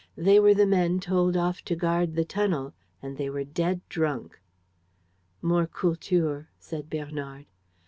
They were the men told off to guard the tunnel; and they were dead drunk. "More Kultur," said Bernard.